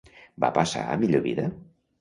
Va passar a millor vida?